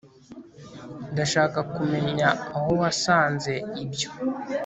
Ndashaka kumenya aho wasanze ibyo